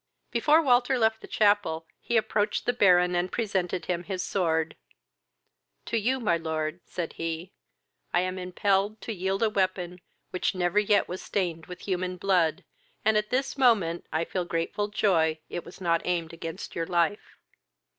Before Walter left the chapel, he approached the Baron, and presented him his sword. "To you, my lord, (said he,) I am impelled to yield a weapon which never yet was stained with human blood, and at this moment I feel grateful joy that it was not aimed against your life.